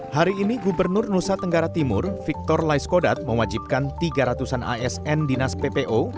hari ini gubernur nusa tenggara timur victor laiskodat mewajibkan tiga ratus an asn dinas ppo